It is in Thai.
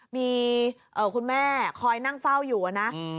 มีคุณแม่คอยนั่งเฝ้าอยู่นะ